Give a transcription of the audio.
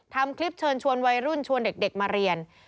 ทำคลิปเชิญชวนวัยรุ่นชวนเด็กมาเรียน